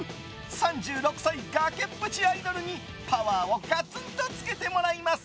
３６歳崖っぷちアイドルにパワーをガツンとつけてもらいます！